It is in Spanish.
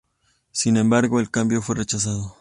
Sin embargo, el cambio fue rechazado.